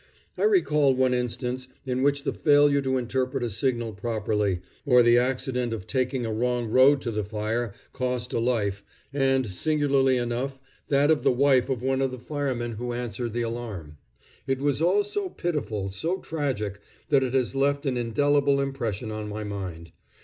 I recall one instance in which the failure to interpret a signal properly, or the accident of taking a wrong road to the fire, cost a life, and, singularly enough, that of the wife of one of the firemen who answered the alarm. It was all so pitiful, so tragic, that it has left an indelible impression on my mind.